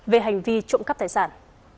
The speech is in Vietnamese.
về hành vi trộm cắp tài sản